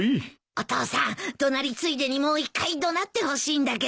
お父さん怒鳴りついでにもう一回怒鳴ってほしいんだけど。